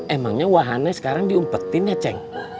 emangnya wahana sekarang diumpetin ya ceng